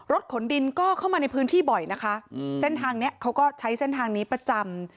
ขนดินก็เข้ามาในพื้นที่บ่อยนะคะเส้นทางนี้เขาก็ใช้เส้นทางนี้ประจำ